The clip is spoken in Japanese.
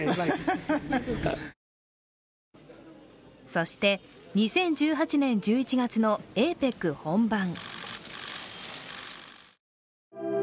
そして、２０１８年１１月のＡＰＥＣ本番。